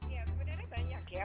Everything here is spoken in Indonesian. ya sebenarnya banyak ya